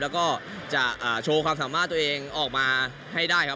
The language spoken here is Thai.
แล้วก็จะโชว์ความสามารถตัวเองออกมาให้ได้ครับ